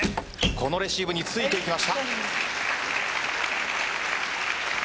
このレシーブについていきました。